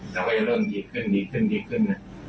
เราก็จะเริ่มดีขึ้นดีขึ้นดีขึ้นนะ